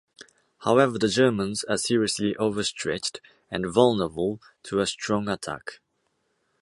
However, the Germans are seriously overstretched, and vulnerable to a strong attack.